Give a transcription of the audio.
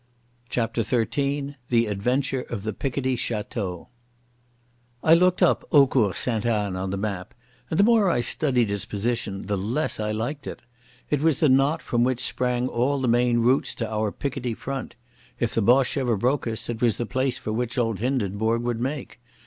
CHAPTER XIII The Adventure of the Picardy Château I looked up Eaucourt Sainte Anne on the map, and the more I studied its position the less I liked it. It was the knot from which sprang all the main routes to our Picardy front. If the Boche ever broke us, it was the place for which old Hindenburg would make.